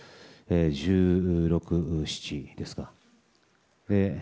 １６、１７ですか。